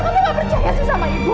masa kamu gak percaya sama ibu